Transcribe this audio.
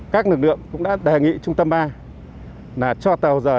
các lực lượng cũng đã đề nghị trung tâm ba là cho tàu giờ